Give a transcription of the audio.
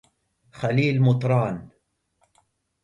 خليل مطران